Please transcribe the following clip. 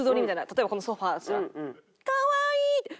例えばこのソファだとしたら。